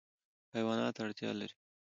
حیوانات اړتیا لري.